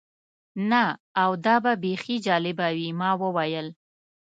نه، او دا به بیخي جالبه وي. ما وویل.